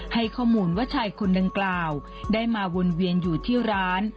ให้ข้อมูลว่าชายคนดังกล่าวได้มาวนเวียนอยู่ที่ร้าน